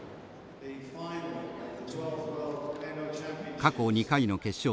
過去２回の決勝戦